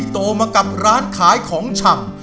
โตมากับร้านขายของชำ